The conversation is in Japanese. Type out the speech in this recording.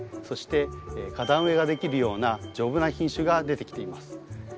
そして花壇植えができるような丈夫な品種が出てきています。